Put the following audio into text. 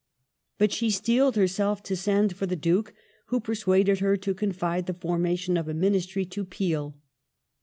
^ But she steeled hei*self to send for the Duke, who persuaded her to con fide the formation of a Ministry to Peel.